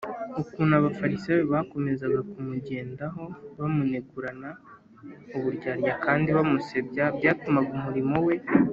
ukuntu abafarisayo bakomezaga kumugendaho bamunegurana uburyarya kandi bamusebya byatumaga umurimo we